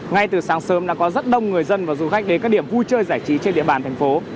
ngay từ sáng sớm đã có rất đông người dân và du khách đến các điểm vui chơi giải trí trên địa bàn thành phố